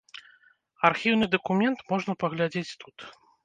Архіўны дакумент можна паглядзець тут.